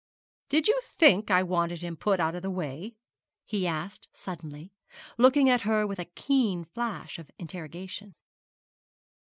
Did you think I wanted to put him out of the way?' he asked, suddenly, looking at her with a keen flash of interrogation.